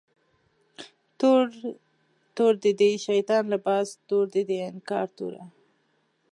تور دی د شیطان لباس، تور دی د انکار توره